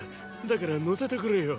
だから乗せてくれよ。